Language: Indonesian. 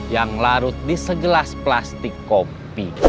yang larut di segelas plastik kopi